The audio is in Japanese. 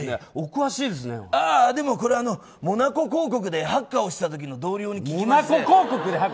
でもこれはモナコ公国でハッカーをしていた時の同僚に聞きまして。